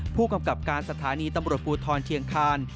ผู้กำกับการสถานีตำรวจภูทรเชียงคาน